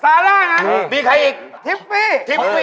ซาร่านะมีใครอีกทิฟปี้